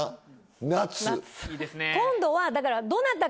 今度はだから。